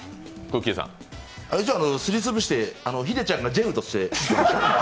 すり潰して、秀ちゃんがジェルとして。